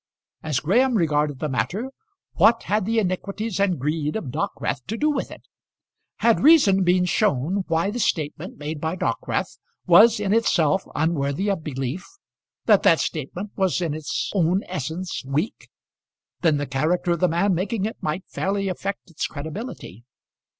As Graham regarded the matter, what had the iniquities and greed of Dockwrath to do with it? Had reason been shown why the statement made by Dockwrath was in itself unworthy of belief, that that statement was in its own essence weak, then the character of the man making it might fairly affect its credibility.